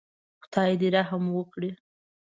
خدای دې رحم وکړي.